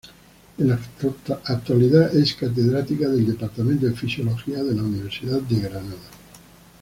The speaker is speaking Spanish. En la actualidad es catedrática del Departamento de Fisiología de la Universidad de Granada.